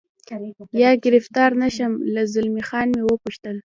یا ګرفتار نه شم، له زلمی خان مې و پوښتل.